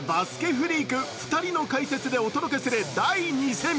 フリーク２人の解説でお届けする第２戦。